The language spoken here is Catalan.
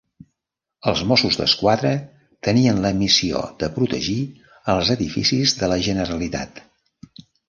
Els Mossos d'Esquadra tenien la missió de protegir els edificis de la Generalitat.